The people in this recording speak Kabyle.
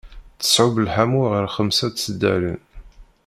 Tṣub lḥamu ɣer xemsa n tseddarin.